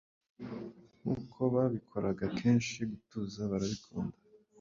Nkuko babikoraga kenshi gutuza barabikunda